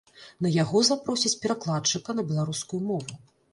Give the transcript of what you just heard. На яго запросяць перакладчыка на беларускую мову.